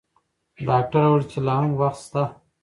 ډاکټر وویل چې لا هم وخت شته.